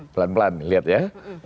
pelan pelan lihat ya